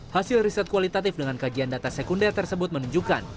hasil riset kualitatif dengan kajian data sekunder tersebut menunjukkan